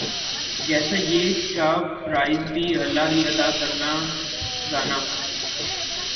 جَیسا یِہ کا فرائض بھی اللہ ہی ادا کرنا گانا